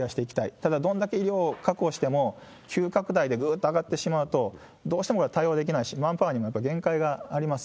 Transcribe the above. ただ、どんだけ医療確保しても、急拡大でぐっと上がってしまうと、どうしても対応できないし、マンパワーにもやっぱり限界があります。